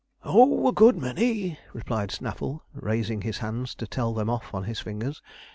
'Oh! a good many,' replied Snaffle, raising his hands to tell them off on his fingers.